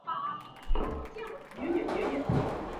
窝利士在警察队司职中锋或右翼。